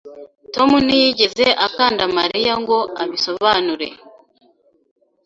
Tom ntiyigeze akanda Mariya ngo abisobanure.